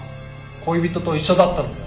恋人と一緒だったのでは？